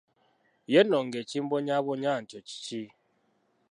Ye nno ng’ekimbonyaabonya ntyo kiki?